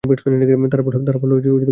তারা বলল, বাবা মুসলিম।